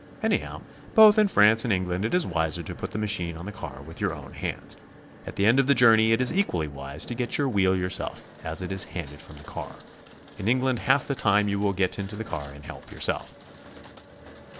Anyhow, both in France and England it is wiser to put the machine on the car ^ with your own hands. At the end of the journey it is equa)lly wise to get your wheel yourself as it is handed from the car. In England half the time you will get into the car and help your self.